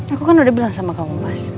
aku kan udah bilang sama kamu mas